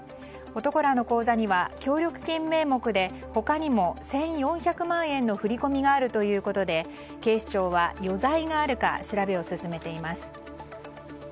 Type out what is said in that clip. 男らの口座には協力金名目で他にも１４００万円の振り込みがあるということで警視庁は余罪があるか調べを進めています。